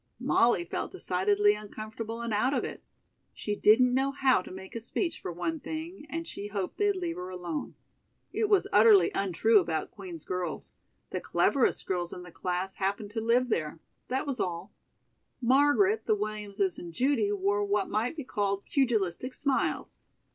Molly felt decidedly uncomfortable and out of it. She didn't know how to make a speech for one thing and she hoped they'd leave her alone. It was utterly untrue about Queen's girls. The cleverest girls in the class happened to live there. That was all. Margaret, the Williamses and Judy wore what might be called "pugilistic smiles."